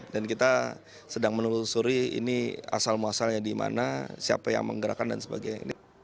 dan kita sedang menelusuri ini asal muasalnya di mana siapa yang menggerakkan dan sebagainya